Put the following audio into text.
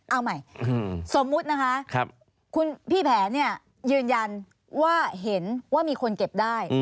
เอาใหม่สมมุตินะคะคุณพี่แผนเนี่ยยืนยันว่าเห็นว่ามีคนเก็บได้